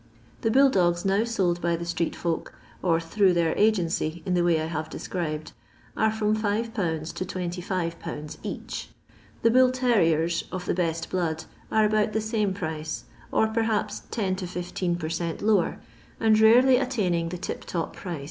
The bull dogs now sold by the street folk, or through their agency in the way I have described, are from 6/. to 251. each. The bull terriers, of the best blood, are about the same price, or perhaps 10 to 15 per cent lower, and rarely attaining the tip top price.